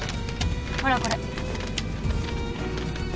ほらこれ。